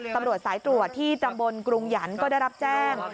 ตำรวจสายตรวจที่ตำบลกรุงหยันต์ก็ได้รับแจ้ง